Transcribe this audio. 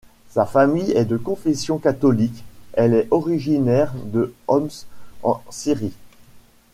Sa famille est de confession catholique, elle est originaire de Homs en Syrie.